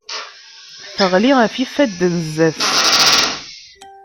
Teɣli ɣef yifadden zzat-s.